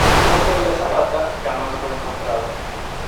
El cuerpo de la azafata jamás fue encontrado.